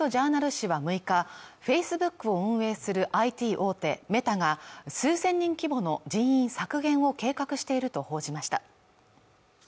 紙は６日フェイスブックを運営するＩＴ大手メタが数千人規模の人員削減を計画していると報じました